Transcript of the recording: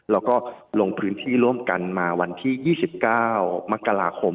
ลงพื้นที่ร่วมกันมาวันที่๒๙มกราคม